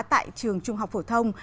tại trường trung học phổ thông